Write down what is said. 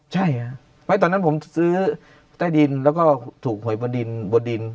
ใช่ไม่ตอนนั้นผมซื้อใต้ดินแล้วก็ถูกหวยบนดินบนดิน